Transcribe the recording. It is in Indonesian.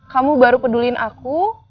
kamu baru peduliin aku